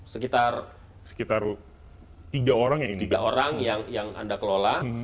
sekitar tiga orang yang anda kelola